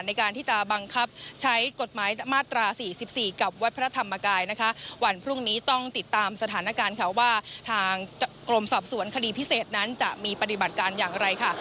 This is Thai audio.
ในการที่จะบังคับใช้กฎหมายมาตรา๔๔กับวัดพระธรรมกายนะคะวันพรุ่งนี้ต้องติดตามสถานการณ์ค่ะว่าทางกรมสอบสวนคดีพิเศษนั้นจะมีปฏิบัติการอย่างไรค่ะ